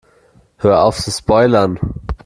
Hör auf zu spoilern!